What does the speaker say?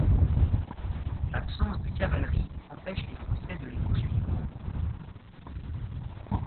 L’absence de cavalerie empêche les Français de les poursuivre.